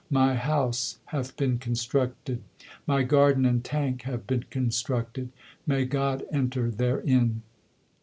My house hath been constructed ; my garden and tank have been constructed ; may God enter therein